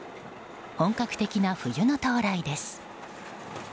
本格的な冬の到来です。